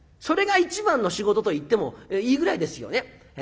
それが一番の仕事と言ってもいいぐらいですよね。